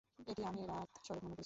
এটি আমিরাত সড়ক নামেও পরিচিত।